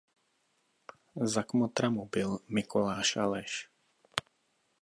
Za kmotra mu byl Mikoláš Aleš.